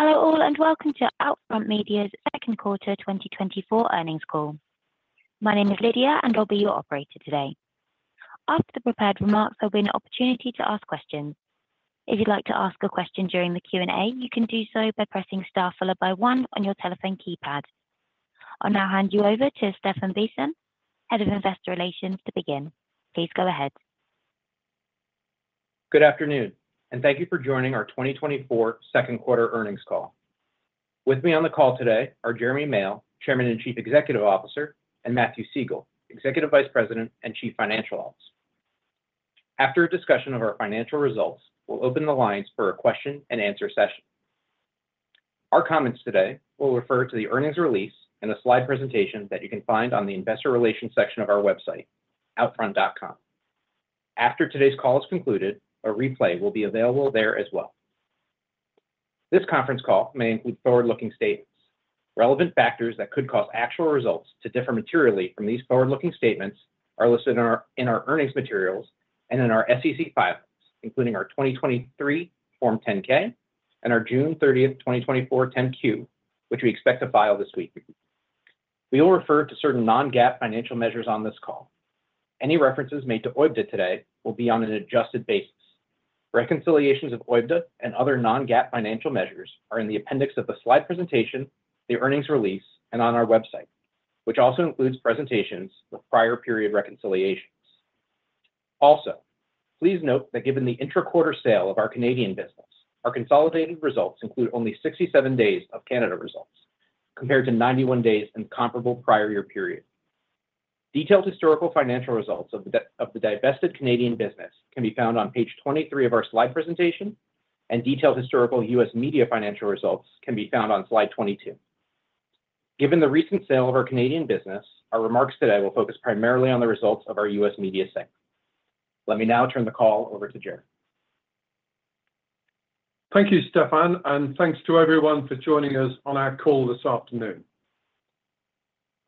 Hello all, and welcome to OUTFRONT Media's Second Quarter 2024 Earnings Call. My name is Lydia, and I'll be your operator today. After the prepared remarks, there will be an opportunity to ask questions. If you'd like to ask a question during the Q&A, you can do so by pressing Star followed by one on your telephone keypad. I'll now hand you over to Stephan Bisson, Head of Investor Relations, to begin. Please go ahead. Good afternoon, and thank you for joining our 2024 second quarter earnings call. With me on the call today are Jeremy Male, Chairman and Chief Executive Officer, and Matthew Siegel, Executive Vice President and Chief Financial Officer. After a discussion of our financial results, we'll open the lines for a question and answer session. Our comments today will refer to the earnings release and the slide presentation that you can find on the Investor Relations section of our website, outfront.com. After today's call is concluded, a replay will be available there as well. This conference call may include forward-looking statements. Relevant factors that could cause actual results to differ materially from these forward-looking statements are listed in our, in our earnings materials and in our SEC filings, including our 2023 Form 10-K and our June 30th, 2024, 10-Q, which we expect to file this week. We will refer to certain non-GAAP financial measures on this call. Any references made to OIBDA today will be on an adjusted basis. Reconciliations of OIBDA and other non-GAAP financial measures are in the appendix of the slide presentation, the earnings release, and on our website, which also includes presentations with prior period reconciliations. Also, please note that given the intra-quarter sale of our Canadian business, our consolidated results include only 67 days of Canada results, compared to 91 days in comparable prior year period. Detailed historical financial results of the divested Canadian business can be found on Page 23 of our slide presentation, and detailed historical U.S. Media financial results can be found on Slide 22. Given the recent sale of our Canadian business, our remarks today will focus primarily on the results of our U.S. Media segment. Let me now turn the call over to Jeremy. Thank you, Stephan, and thanks to everyone for joining us on our call this afternoon.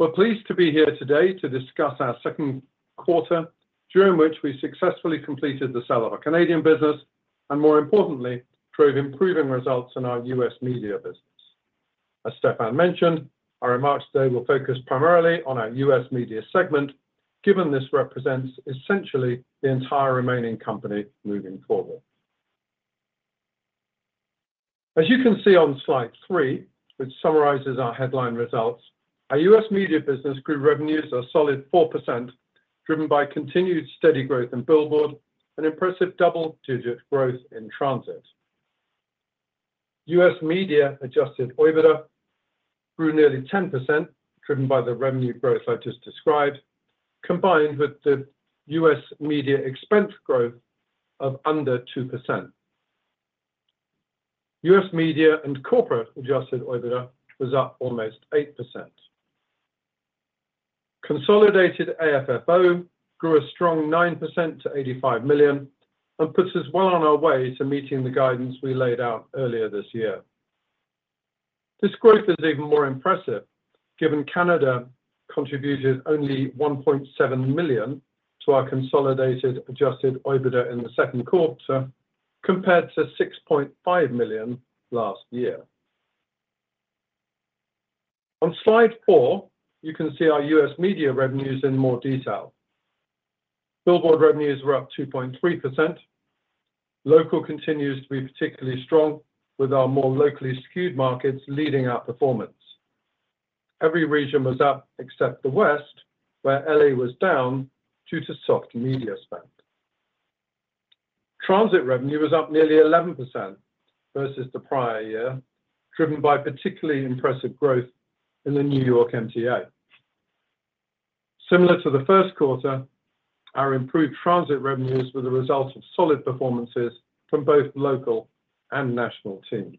We're pleased to be here today to discuss our second quarter, during which we successfully completed the sale of our Canadian business, and more importantly, drove improving results in our U.S. Media business. As Stephan mentioned, our remarks today will focus primarily on our U.S. Media segment, given this represents essentially the entire remaining company moving forward. As you can see on Slide 3, which summarizes our headline results, our U.S. Media business grew revenues a solid 4%, driven by continued steady growth in billboard and impressive double-digit growth in transit. U.S. Media adjusted OIBDA grew nearly 10%, driven by the revenue growth I just described, combined with the U.S. Media expense growth of under 2%. U.S. Media and corporate adjusted OIBDA was up almost 8%. Consolidated AFFO grew a strong 9% to $85 million and puts us well on our way to meeting the guidance we laid out earlier this year. This growth is even more impressive, given Canada contributed only $1.7 million to our consolidated adjusted OIBDA in the second quarter, compared to $6.5 million last year. On Slide 4, you can see our U.S. Media revenues in more detail. Billboard revenues were up 2.3%. Local continues to be particularly strong, with our more locally skewed markets leading our performance. Every region was up except the West, where L.A. was down due to soft media spend. Transit revenue was up nearly 11% versus the prior year, driven by particularly impressive growth in the New York MTA. Similar to the first quarter, our improved transit revenues were the result of solid performances from both local and national teams.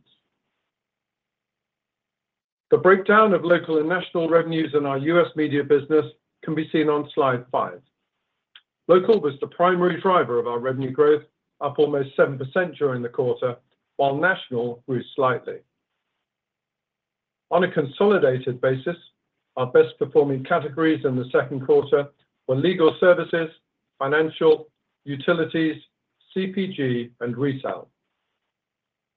The breakdown of local and national revenues in our U.S. Media business can be seen on Slide 5. Local was the primary driver of our revenue growth, up almost 7% during the quarter, while national grew slightly. On a consolidated basis, our best performing categories in the second quarter were legal services, financial, utilities, CPG, and retail.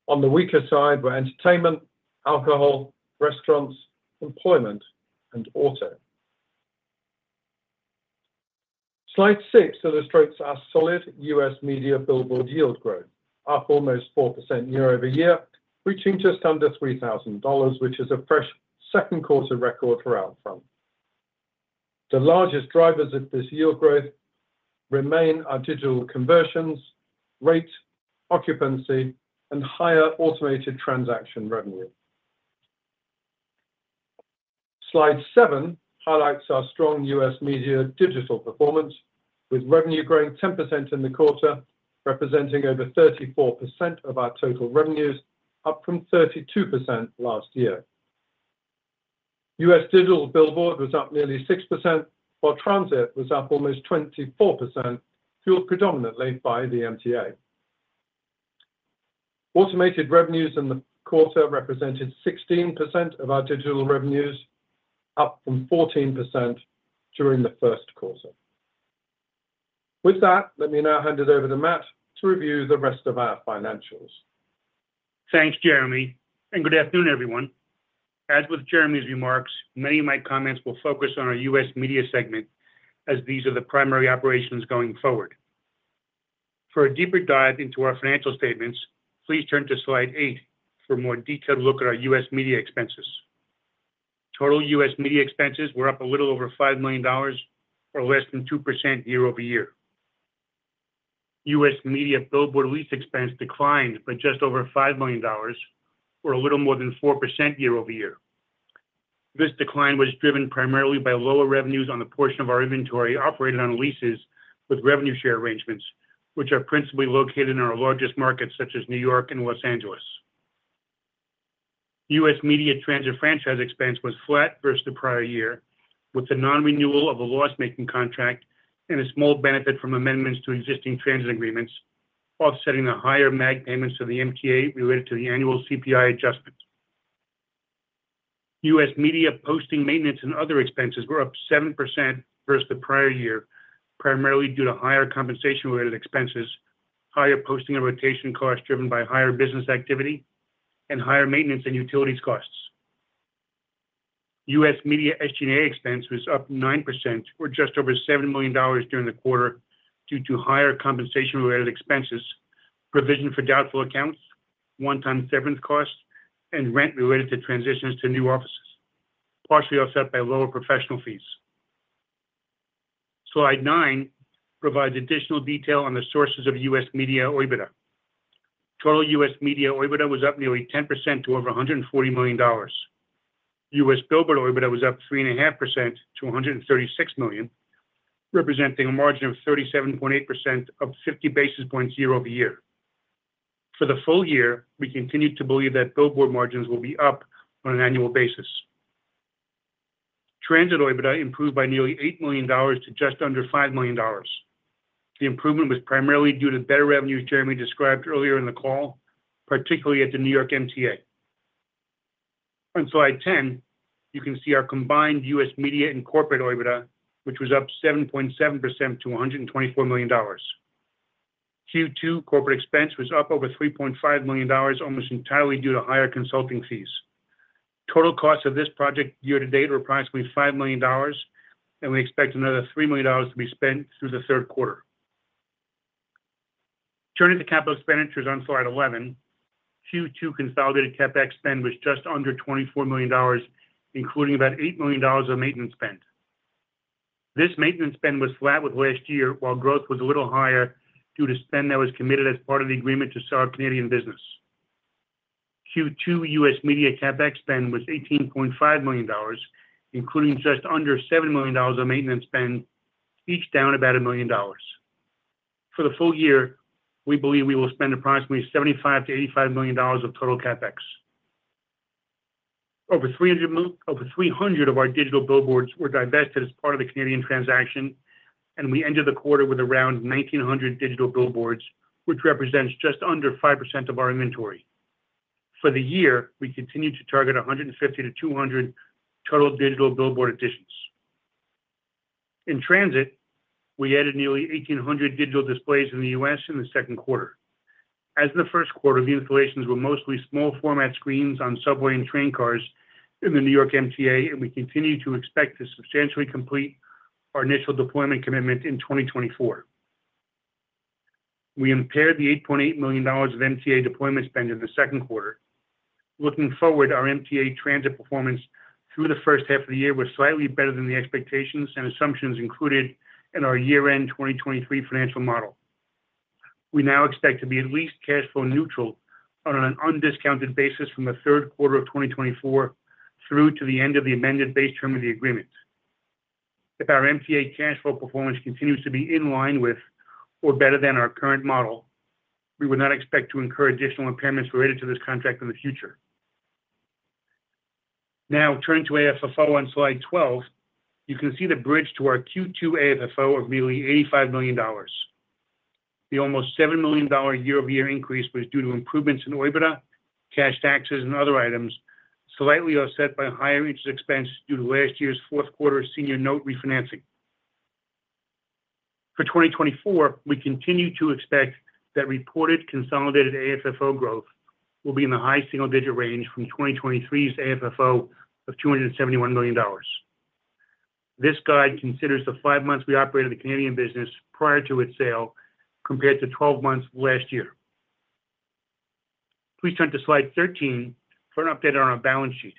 On the weaker side were entertainment, alcohol, restaurants, employment, and auto. Slide 6 illustrates our solid U.S. Media billboard yield growth, up almost 4% year-over-year, reaching just under $3,000, which is a fresh second quarter record for OUTFRONT. The largest drivers of this yield growth remain our digital conversions, rate, occupancy, and higher automated transaction revenue. Slide 7 highlights our strong U.S. Media digital performance, with revenue growing 10% in the quarter, representing over 34% of our total revenues, up from 32% last year. U.S. Digital Billboard was up nearly 6%, while transit was up almost 24%, fueled predominantly by the MTA. Automated revenues in the quarter represented 16% of our digital revenues, up from 14% during the first quarter. With that, let me now hand it over to Matt to review the rest of our financials. Thanks, Jeremy, and good afternoon, everyone. As with Jeremy's remarks, many of my comments will focus on our U.S. Media segment, as these are the primary operations going forward. For a deeper dive into our financial statements, please turn to Slide 8 for a more detailed look at our U.S. Media expenses. Total U.S. Media expenses were up a little over $5 million, or less than 2% year-over-year. U.S. Media billboard lease expense declined by just over $5 million, or a little more than 4% year-over-year. This decline was driven primarily by lower revenues on the portion of our inventory operated on leases with revenue share arrangements, which are principally located in our largest markets, such as New York and Los Angeles. U.S. Media transit franchise expense was flat versus the prior year, with the non-renewal of a loss-making contract and a small benefit from amendments to existing transit agreements, offsetting the higher MAG payments to the MTA related to the annual CPI adjustments. U.S. Media posting, maintenance, and other expenses were up 7% versus the prior year, primarily due to higher compensation-related expenses, higher posting and rotation costs driven by higher business activity, and higher maintenance and utilities costs. U.S. Media SG&A expense was up 9%, or just over $7 million during the quarter, due to higher compensation-related expenses, provision for doubtful accounts, one-time severance costs, and rent related to transitions to new offices, partially offset by lower professional fees. Slide 9 provides additional detail on the sources of U.S. Media OIBDA. Total U.S. Media OIBDA was up nearly 10% to over $140 million. U.S. Billboard OIBDA was up 3.5% to $136 million, representing a margin of 37.8%, up 50 basis points year-over-year. For the full year, we continue to believe that billboard margins will be up on an annual basis. Transit OIBDA improved by nearly $8 million to just under $5 million. The improvement was primarily due to better revenues Jeremy described earlier in the call, particularly at the New York MTA. On Slide 10, you can see our combined U.S. Media and corporate OIBDA, which was up 7.7% to $124 million. Q2 corporate expense was up over $3.5 million, almost entirely due to higher consulting fees. Total costs of this project year-to-date were approximately $5 million, and we expect another $3 million to be spent through the third quarter. Turning to capital expenditures on Slide 11, Q2 consolidated CapEx spend was just under $24 million, including about $8 million of maintenance spend. This maintenance spend was flat with last year, while growth was a little higher due to spend that was committed as part of the agreement to sell our Canadian business. Q2 U.S. Media CapEx spend was $18.5 million, including just under $7 million of maintenance spend, each down about $1 million. For the full year, we believe we will spend approximately $75 million-$85 million of total CapEx. Over 300 of our digital billboards were divested as part of the Canadian transaction, and we ended the quarter with around 1,900 digital billboards, which represents just under 5% of our inventory. For the year, we continue to target 150-200 total digital billboard additions. In transit, we added nearly 1,800 digital displays in the U.S. in the second quarter. As in the first quarter, the installations were mostly small format screens on subway and train cars in the New York MTA, and we continue to expect to substantially complete our initial deployment commitment in 2024. We impaired the $8.8 million of MTA deployment spend in the second quarter. Looking forward, our MTA transit performance through the first half of the year was slightly better than the expectations and assumptions included in our year-end 2023 financial model. We now expect to be at least cash flow neutral on an undiscounted basis from the third quarter of 2024 through to the end of the amended base term of the agreement. If our MTA cash flow performance continues to be in line with or better than our current model, we would not expect to incur additional impairments related to this contract in the future. Now, turning to AFFO on Slide 12, you can see the bridge to our Q2 AFFO of nearly $85 million. The almost $7 million year-over-year increase was due to improvements in OIBDA, cash taxes, and other items, slightly offset by higher interest expense due to last year's fourth quarter senior note refinancing. For 2024, we continue to expect that reported consolidated AFFO growth will be in the high single-digit range from 2023's AFFO of $271 million. This guide considers the five months we operated the Canadian business prior to its sale, compared to twelve months last year. Please turn to Slide 13 for an update on our balance sheet.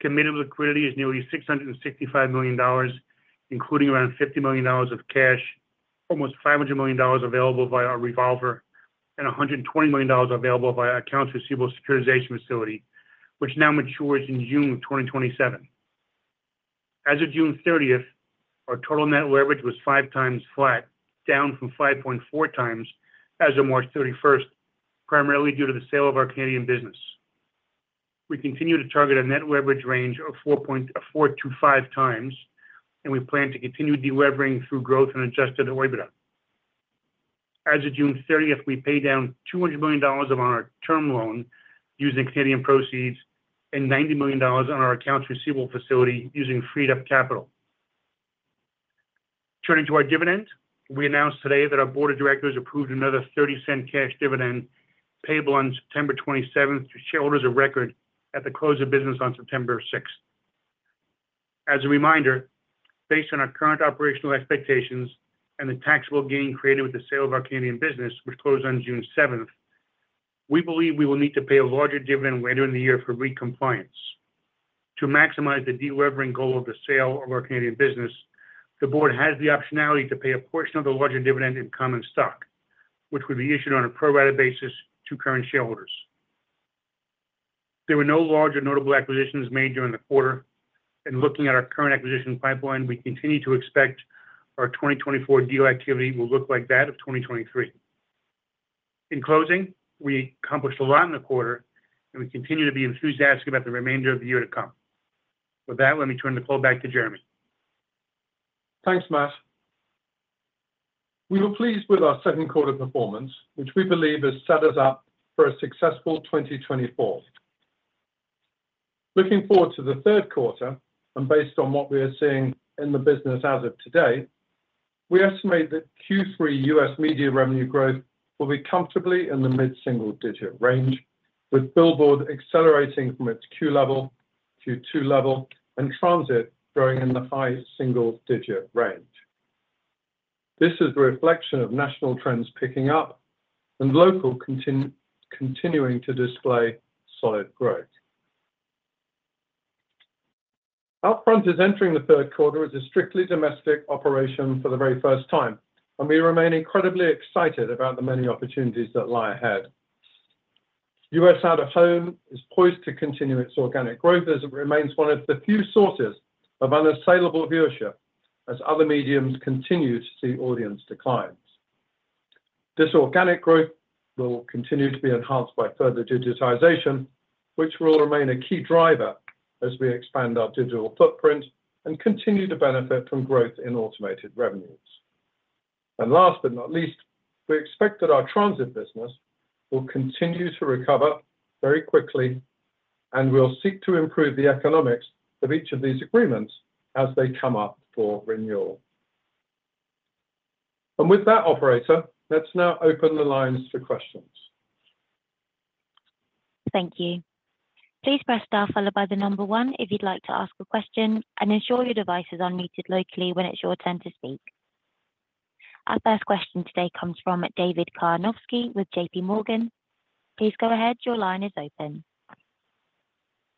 Committed liquidity is nearly $665 million, including around $50 million of cash, almost $500 million available via our revolver, and $120 million available via accounts receivable securitization facility, which now matures in June of 2027. As of June 30th, our total net leverage was 5 times flat, down from 5.4 times as of March 31st, primarily due to the sale of our Canadian business. We continue to target a net leverage range of 4-5 times, and we plan to continue deleveraging through growth and adjusted OIBDA. As of June 30, we paid down $200 million of our term loan using Canadian proceeds and $90 million on our accounts receivable facility using freed up capital. Turning to our dividend, we announced today that our board of directors approved another 30-cent cash dividend payable on September 27 to shareholders of record at the close of business on September 6. As a reminder, based on our current operational expectations and the taxable gain created with the sale of our Canadian business, which closed on June 7, we believe we will need to pay a larger dividend later in the year for re-compliance. To maximize the deleveraging goal of the sale of our Canadian business, the board has the optionality to pay a portion of the larger dividend in common stock, which would be issued on a pro rata basis to current shareholders. There were no larger notable acquisitions made during the quarter, and looking at our current acquisition pipeline, we continue to expect our 2024 deal activity will look like that of 2023. In closing, we accomplished a lot in the quarter, and we continue to be enthusiastic about the remainder of the year to come. With that, let me turn the call back to Jeremy. Thanks, Matt. We were pleased with our second quarter performance, which we believe has set us up for a successful 2024. Looking forward to the third quarter, and based on what we are seeing in the business as of today, we estimate that Q3 U.S. media revenue growth will be comfortably in the mid-single-digit range, with billboard accelerating from its Q2 level to Q3 level and transit growing in the high single-digit range. This is a reflection of national trends picking up and local continuing to display solid growth. OUTFRONT is entering the third quarter as a strictly domestic operation for the very first time, and we remain incredibly excited about the many opportunities that lie ahead. U.S. out-of-home is poised to continue its organic growth as it remains one of the few sources of unassailable viewership, as other mediums continue to see audience declines. This organic growth will continue to be enhanced by further digitization, which will remain a key driver as we expand our digital footprint and continue to benefit from growth in automated revenues. And last but not least, we expect that our transit business will continue to recover very quickly, and we'll seek to improve the economics of each of these agreements as they come up for renewal. And with that, operator, let's now open the lines for questions. Thank you. Please press Star followed by the number one if you'd like to ask a question and ensure your device is unmuted locally when it's your turn to speak. Our first question today comes from David Karnovsky with JPMorgan. Please go ahead. Your line is open.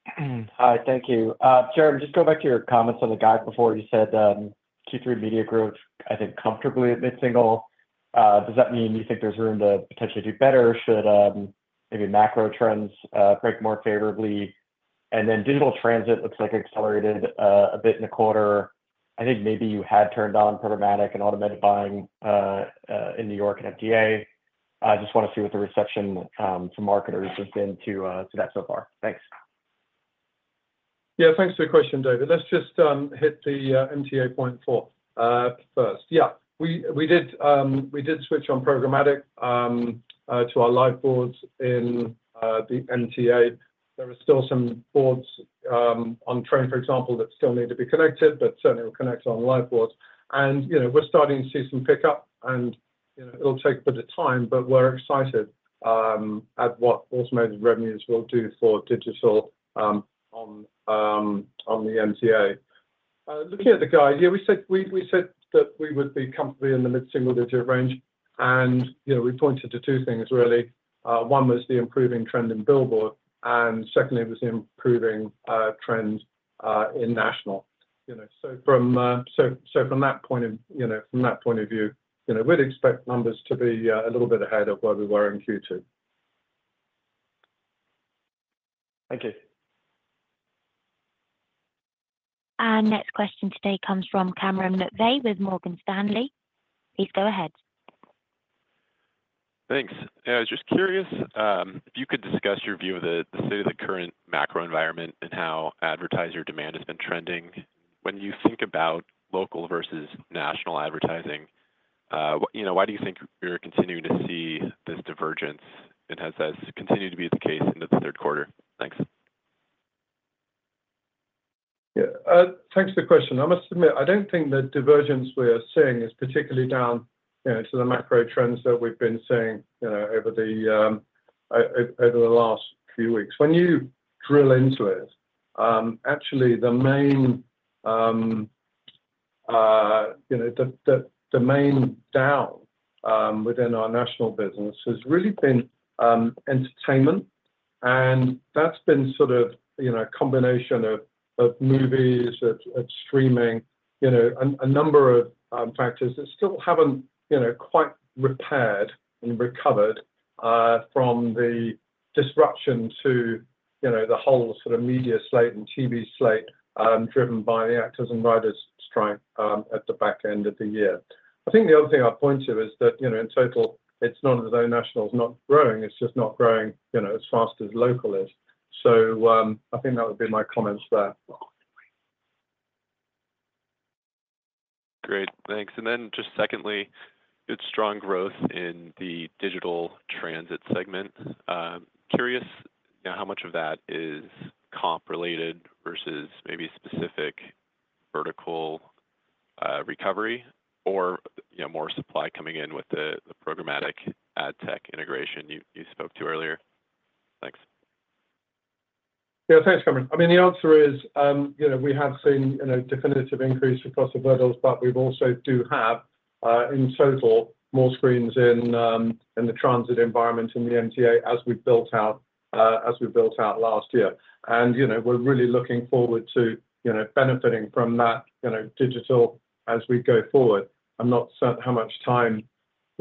Hi, thank you. Jeremy, just go back to your comments on the guide. Before you said, Q3 media growth, I think comfortably at mid-single. Does that mean you think there's room to potentially do better? Should maybe macro trends break more favorably? And then digital transit looks like it accelerated a bit in the quarter. I think maybe you had turned on programmatic and automated buying in New York and MTA. I just want to see what the reception to marketers has been to to that so far. Thanks. Yeah, thanks for the question, David. Let's just hit the MTA point four first. Yeah, we did switch on programmatic to our Liveboards in the MTA. There are still some boards on train, for example, that still need to be connected, but certainly will connect on Liveboards. And, you know, we're starting to see some pickup and, you know, it'll take a bit of time, but we're excited at what automated revenues will do for digital on the MTA. Looking at the guide, yeah, we said that we would be comfortably in the mid-single digit range, and, you know, we pointed to two things really. One was the improving trend in billboard, and secondly, was the improving trends in national. You know, so from that point of view, you know, we'd expect numbers to be a little bit ahead of where we were in Q2. Thank you. Our next question today comes from Cameron McVeigh with Morgan Stanley. Please go ahead. Thanks. I was just curious if you could discuss your view of the state of the current macro environment and how advertiser demand has been trending. When you think about local versus national advertising, you know, why do you think we're continuing to see this divergence, and has this continued to be the case into the third quarter? Thanks. Yeah, thanks for the question. I must admit, I don't think the divergence we're seeing is particularly down, you know, to the macro trends that we've been seeing, you know, over the last few weeks. When you drill into it, actually the main down within our national business has really been entertainment, and that's been sort of, you know, a combination of movies, of streaming, you know, a number of factors that still haven't, you know, quite repaired and recovered from the disruption to, you know, the whole sort of media slate and TV slate, driven by the actors and writers strike at the back end of the year. I think the other thing I'd point to is that, you know, in total, it's not as though national is not growing, it's just not growing, you know, as fast as local is. So, I think that would be my comments there. Great, thanks. And then just secondly, it's strong growth in the digital transit segment. Curious, you know, how much of that is comp related versus maybe specific vertical, recovery or, you know, more supply coming in with the programmatic ad tech integration you spoke to earlier? Thanks. Yeah, thanks, Cameron. I mean, the answer is, you know, we have seen, you know, definitive increase across the verticals, but we've also do have, in total, more screens in, in the transit environment in the MTA as we built out, as we built out last year. And, you know, we're really looking forward to, you know, benefiting from that, you know, digital as we go forward. I'm not certain how much time,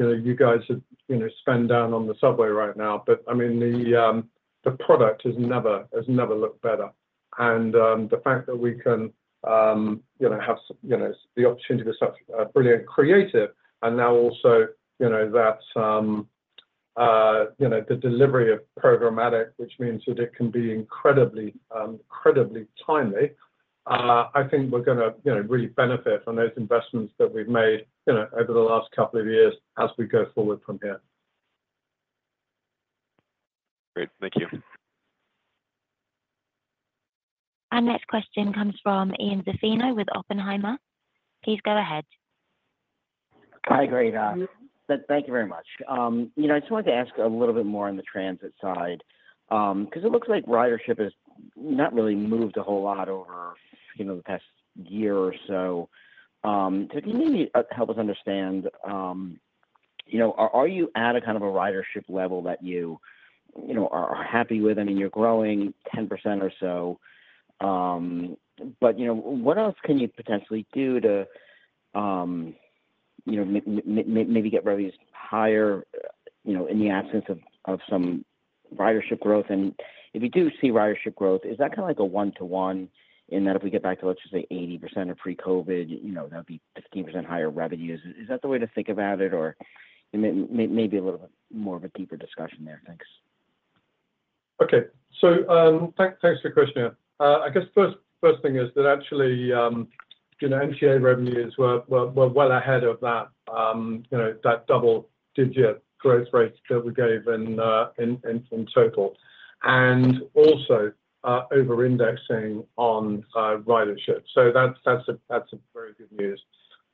you know, you guys have, you know, spend down on the subway right now, but, I mean, the, the product has never, has never looked better. The fact that we can, you know, have, you know, the opportunity to start brilliant creative, and now also, you know, that the delivery of programmatic, which means that it can be incredibly incredibly timely, I think we're gonna, you know, really benefit from those investments that we've made, you know, over the last couple of years as we go forward from here. Great, thank you. Our next question comes from Ian Zaffino with Oppenheimer. Please go ahead. Hi, great. Thank you very much. You know, I just wanted to ask a little bit more on the transit side, 'cause it looks like ridership has not really moved a whole lot over, you know, the past year or so. So can you maybe help us understand, you know, are you at a kind of a ridership level that you, you know, are happy with? I mean, you're growing 10% or so, but, you know, what else can you potentially do to, you know, maybe get revenues higher, you know, in the absence of some ridership growth? And if you do see ridership growth, is that kinda like a one-to-one in that if we get back to, let's just say, 80% of pre-COVID, you know, that'd be 15% higher revenues. Is that the way to think about it, or maybe a little bit more of a deeper discussion there? Thanks. Okay. So, thanks for the question. I guess first thing is that actually, you know, MTA revenues were well ahead of that, you know, that double-digit growth rate that we gave in total, and also, over-indexing on ridership. So that's a very good news.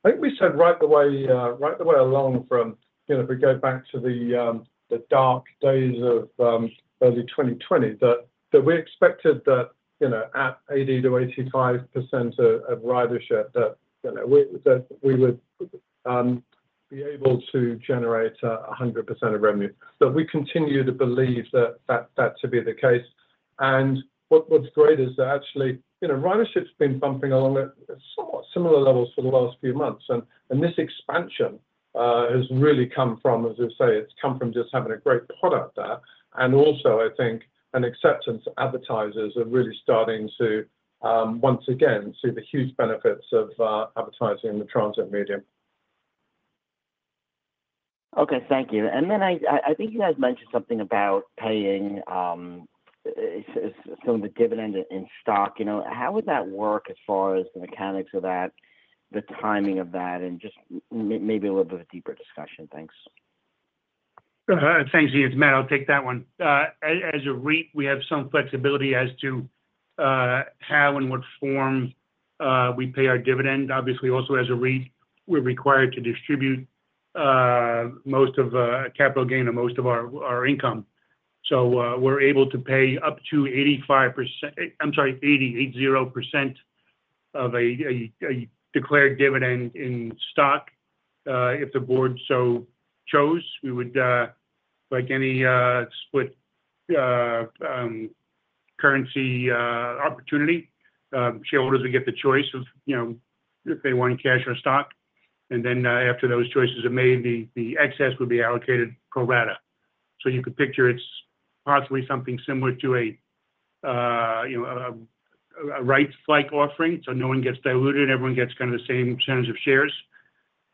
I think we said right the way along from, you know, if we go back to the dark days of early 2020, that we expected that, you know, at 80%-85% of ridership, that, you know, we, that we would be able to generate a 100% of revenue. So we continue to believe that to be the case. And what's great is that actually, you know, ridership's been bumping along at somewhat similar levels for the last few months, and this expansion has really come from, as I say, it's come from just having a great product there. And also, I think an acceptance advertisers are really starting to once again see the huge benefits of advertising in the transit medium. Okay, thank you. And then I think you guys mentioned something about paying some of the dividend in stock. You know, how would that work as far as the mechanics of that, the timing of that, and just maybe a little bit of a deeper discussion? Thanks. Thanks, Ian. Matt, I'll take that one. As a REIT, we have some flexibility as to how and what form we pay our dividend. Obviously, also as a REIT, we're required to distribute most of capital gain and most of our income. So, we're able to pay up to 85%. I'm sorry, 80% of a declared dividend in stock, if the board so chose, we would, like any split currency opportunity, shareholders will get the choice of, you know, if they want cash or stock. And then, after those choices are made, the excess would be allocated pro rata. So you could picture it's possibly something similar to a, you know, a rights-like offering, so no one gets diluted, everyone gets kind of the same terms of shares.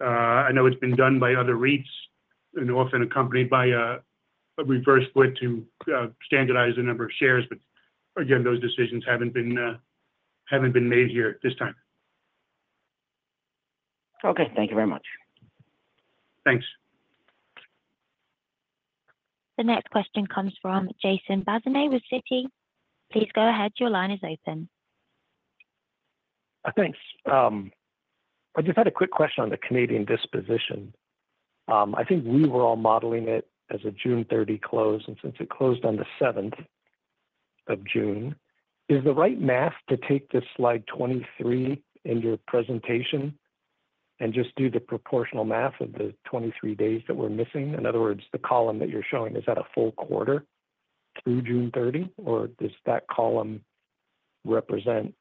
I know it's been done by other REITs, and often accompanied by a reverse split to standardize the number of shares, but again, those decisions haven't been made here at this time. Okay. Thank you very much. Thanks. The next question comes from Jason Bazinet with Citi. Please go ahead, your line is open. Thanks. I just had a quick question on the Canadian disposition. I think we were all modeling it as a June 30 close, and since it closed on the 7th of June, is the right math to take this slide 23 in your presentation and just do the proportional math of the 23 days that we're missing? In other words, the column that you're showing, is that a full quarter through June 30, or does that column represent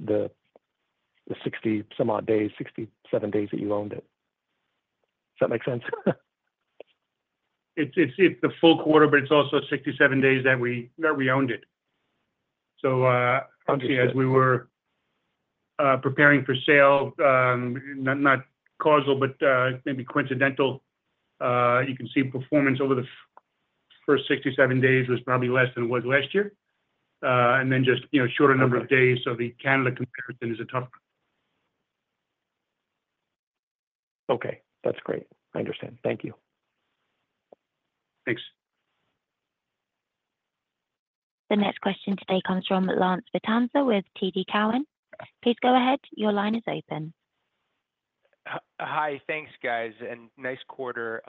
the, the 60 some odd days, 67 days that you owned it? Does that make sense? It's the full quarter, but it's also 67 days that we owned it. So, Okay... obviously, as we were preparing for sale, not causal, but maybe coincidental, you can see performance over the first 67 days was probably less than it was last year, and then just, you know, shorter number of days, so the Canada comparison is a tough one. Okay, that's great. I understand. Thank you. Thanks. The next question today comes from Lance Vitanza with TD Cowen. Please go ahead. Your line is open. Hi. Thanks, guys, and nice quarter.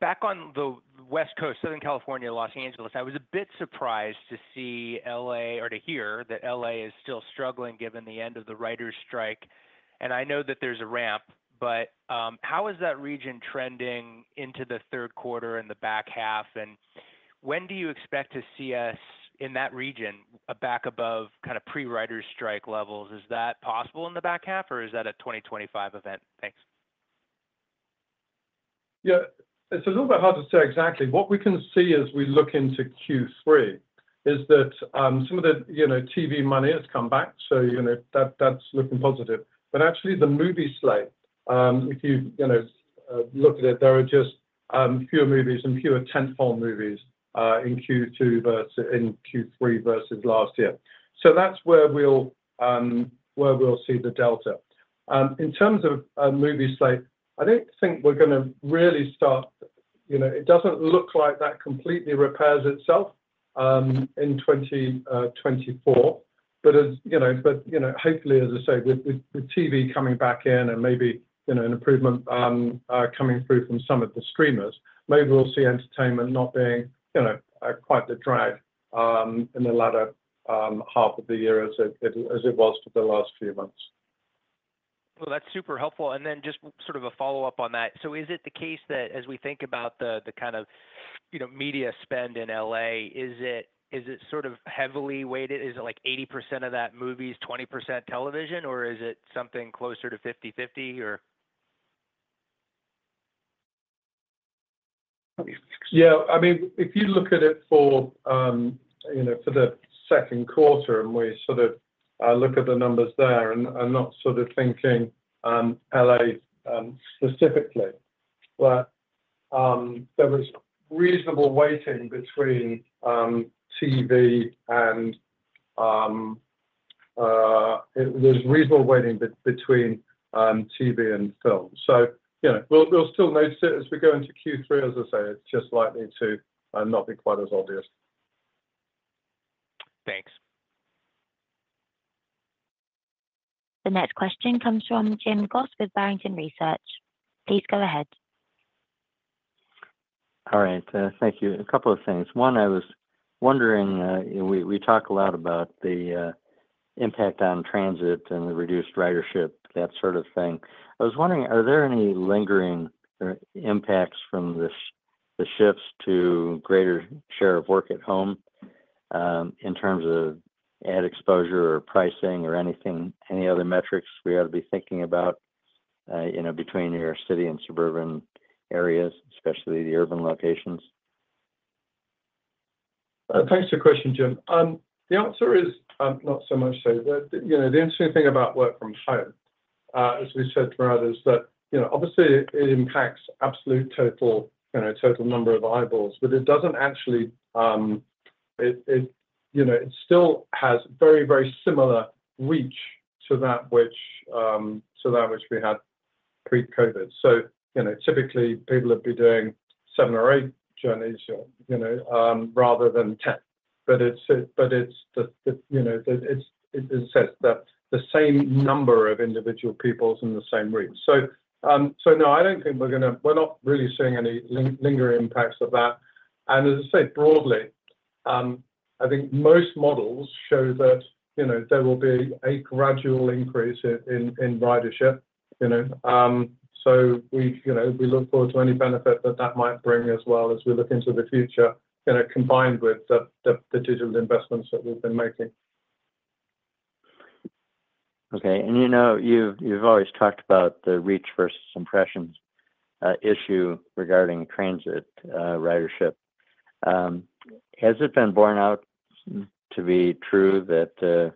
Back on the West Coast, Southern California, Los Angeles, I was a bit surprised to see L.A. or to hear that L.A. is still struggling, given the end of the writers strike. I know that there's a ramp, but, how is that region trending into the third quarter and the back half, and when do you expect to see us in that region, back above kind of pre-writers strike levels? Is that possible in the back half, or is that a 2025 event? Thanks. Yeah, it's a little bit hard to say exactly. What we can see as we look into Q3 is that, some of the, you know, TV money has come back, so, you know, that's looking positive. But actually, the movie slate, if you, you know, look at it, there are just, fewer movies and fewer tentpole movies, in Q2 versus in Q3 versus last year. So that's where we'll see the delta. In terms of movie slate, I don't think we're gonna really start. You know, it doesn't look like that completely repairs itself, in 2024. But as you know, hopefully, as I say, with the TV coming back in and maybe, you know, an improvement coming through from some of the streamers, maybe we'll see entertainment not being, you know, quite the drag in the latter half of the year as it was for the last few months. Well, that's super helpful. And then just sort of a follow-up on that. So is it the case that as we think about the, the kind of, you know, media spend in L.A., is it, is it sort of heavily weighted? Is it like 80% of that movies, 20% television, or is it something closer to 50/50, or? Yeah, I mean, if you look at it for, you know, for the second quarter, and we sort of look at the numbers there, and I'm not sort of thinking L.A. specifically, but there was reasonable weighting between TV and film. So, you know, we'll still notice it as we go into Q3. As I say, it's just likely to not be quite as obvious. Thanks. The next question comes from Jim Goss with Barrington Research. Please go ahead. All right. Thank you. A couple of things. One, I was wondering, we talk a lot about the impact on transit and the reduced ridership, that sort of thing. I was wondering, are there any lingering impacts from the shifts to greater share of work at home, in terms of ad exposure or pricing or anything, any other metrics we ought to be thinking about, you know, between your city and suburban areas, especially the urban locations? Thanks for the question, Jim. The answer is not so much so. But, you know, the interesting thing about work from home, as we said to others, that, you know, obviously, it impacts absolute total, you know, total number of eyeballs, but it doesn't actually, it, it, you know, it still has very, very similar reach to that which, to that which we had pre-COVID. So, you know, typically, people would be doing seven or eight journeys or, you know, rather than 10. But it's, but it's the, the, you know, the, it's, it's said that the same number of individual people in the same region. So, so no, I don't think we're gonna—we're not really seeing any lingering impacts of that. As I say, broadly, I think most models show that, you know, there will be a gradual increase in ridership, you know. So we, you know, we look forward to any benefit that that might bring as well as we look into the future, you know, combined with the digital investments that we've been making. Okay. You know, you've, you've always talked about the reach versus impressions issue regarding transit ridership. Has it been borne out to be true that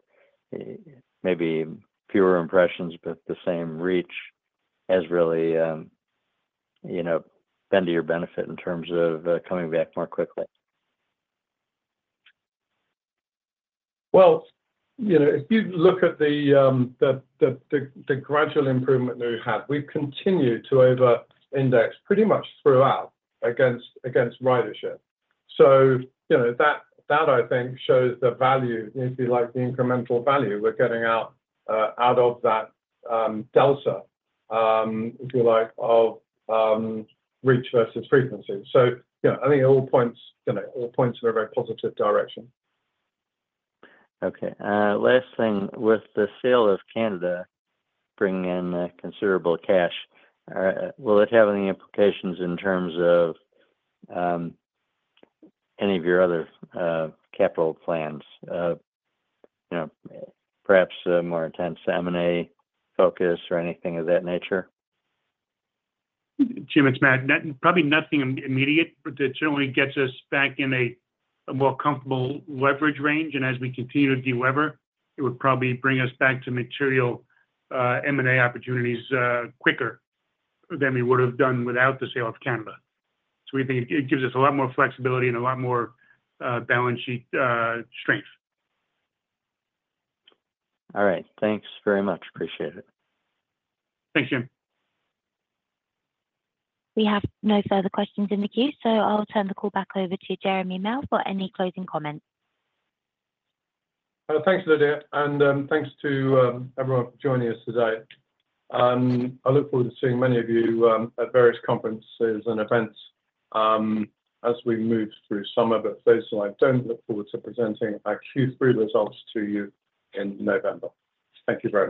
maybe fewer impressions, but the same reach has really, you know, been to your benefit in terms of coming back more quickly? Well, you know, if you look at the gradual improvement that we've had, we've continued to over-index pretty much throughout against ridership. So, you know, that I think shows the value, if you like, the incremental value we're getting out of that delta, if you like, of reach versus frequency. So, you know, I think it all points, you know, in a very positive direction. Okay, last thing. With the sale of Canada bringing in, considerable cash, will it have any implications in terms of, any of your other, capital plans? You know, perhaps a more intense M&A focus or anything of that nature? Jim, it's Matt. Probably nothing immediate, but it certainly gets us back in a more comfortable leverage range, and as we continue to deliver, it would probably bring us back to material M&A opportunities quicker than we would have done without the sale of Canada. So we think it gives us a lot more flexibility and a lot more balance sheet strength. All right. Thanks very much. Appreciate it. Thanks, Jim. We have no further questions in the queue, so I'll turn the call back over to Jeremy Male for any closing comments. Thanks, Lydia, and thanks to everyone for joining us today. I look forward to seeing many of you at various conferences and events as we move through summer, but those who I don't, look forward to presenting our Q3 results to you in November. Thank you very much.